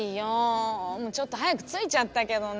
ちょっと早く着いちゃったけどね。